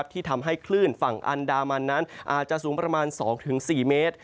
ที่ทำให้คลื่นฝั่งอันดามันนั้นอาจจะสูงประมาณ๒๔เมตร